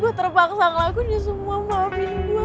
gue terpaksa ngelakuinnya semua maafin gue